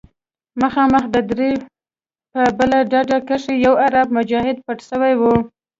مخامخ د درې په بله ډډه کښې يو عرب مجاهد پټ سوى و.